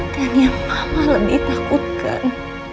dan yang mama lebih takutkan